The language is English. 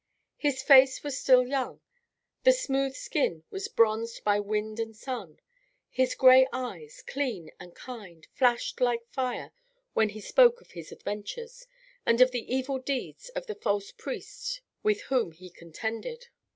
His face was still young; the smooth skin was bronzed by wind and sun. His gray eyes, clean and kind, flashed like fire when he spoke of his adventures, and of the evil deeds of the false priests with whom he contended.